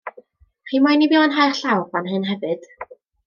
Chi moyn i fi lanhau'r llawr fan hyn hefyd?